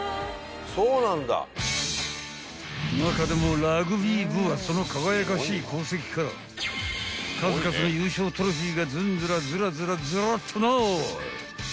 ［中でもラグビー部はその輝かしい功績から数々の優勝トロフィーがずんずらずらずらずらっとな］